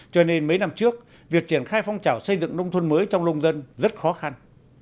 cho nên mấy năm trước việc triển khai phong trào xây dựng nông thôn mới trong nông dân rất khó khăn